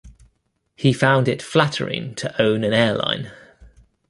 He found it flattering to own an airline.